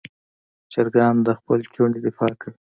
چرګان د خپل چوڼې دفاع کوي.